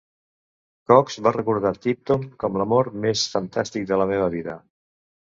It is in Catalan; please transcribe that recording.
Cox va recordar Tipton com l'amor més fantàstic de la meva vida.